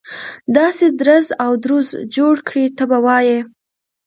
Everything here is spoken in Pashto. داسې درز او دروز جوړ کړي ته به وایي.